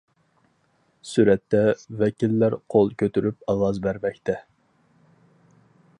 سۈرەتتە: ۋەكىللەر قول كۆتۈرۈپ ئاۋاز بەرمەكتە.